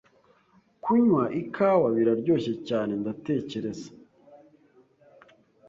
Kunywa ikawa. Biraryoshe cyane, ndatekereza.